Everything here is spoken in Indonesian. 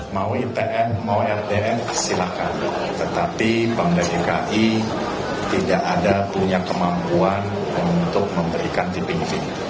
mau itf mau rdf silakan tetapi pembangunan dki tidak ada punya kemampuan untuk memberikan di pinggir